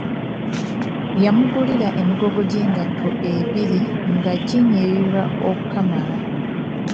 Yamugulira emigoggo gy'engato ebiri nga ginyirira okukamala.